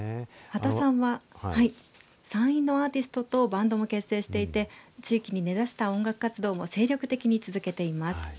刄田さんは山陰のアーティストとバンドも結成していて地域に根ざした音楽活動を精力的に続けています。